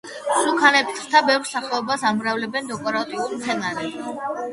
მსუქანასებრთა ბევრ სახეობას ამრავლებენ დეკორატიულ მცენარედ.